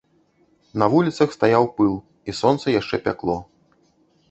На вуліцах стаяў пыл, і сонца яшчэ пякло.